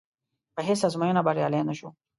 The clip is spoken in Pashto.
په هېڅ ازموینه بریالی نه شو.